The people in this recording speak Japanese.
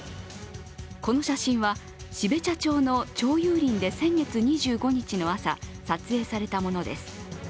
この写真は、標茶町の町有林で先月２５日の朝、撮影されたものです